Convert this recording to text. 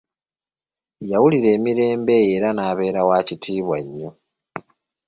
Yaawulirira emirembe eyo era n'abeera wa kitiibwa nnyo.